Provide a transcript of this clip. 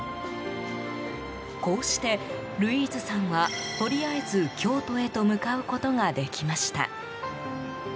こうしてルイーズさんはとりあえず京都へと向かうことができました。